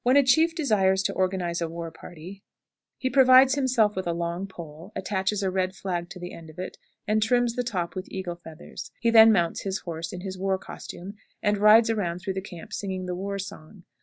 When a chief desires to organize a war party, he provides himself with a long pole, attaches a red flag to the end of it, and trims the top with eagle feathers. He then mounts his horse in his war costume, and rides around through the camp singing the war song.